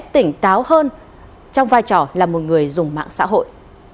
tỉnh táo hơn trong vai trò là một người dùng mạng xã hội